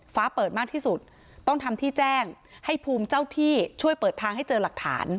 ฟ้าเปิดมากที่สุดต้องทำที่แจ้งให้ภูมิเจ้าที่ช่วยเปิดทางให้เจอหลักฐาน